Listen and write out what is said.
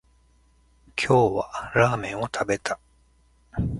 今日はラーメンを食べた